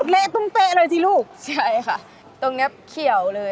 เละตุ้มเป๊ะเลยสิลูกใช่ค่ะตรงเนี้ยเขียวเลย